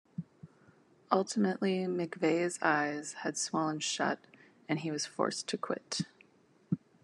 Ultimately McVey's eyes had swollen shut and he was forced to quit.